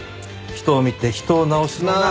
人を見て人を治すのが。